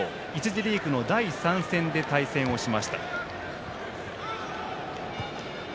１次リーグの第３戦で対戦しました。